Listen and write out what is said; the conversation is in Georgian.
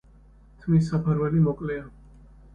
თმის საფარველი მოკლეა.